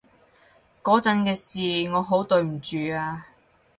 嗰陣嘅事，我好對唔住啊